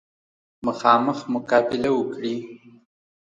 مخامخ مقابله وکړي.